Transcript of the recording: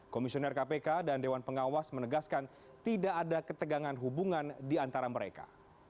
komisioner kpk dan dewan pengawas menegaskan tidak ada ketegangan hubungan di antara mereka